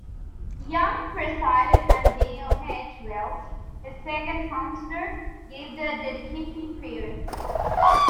Young presided and Daniel H. Wells, his second counselor, gave the dedicatory prayer.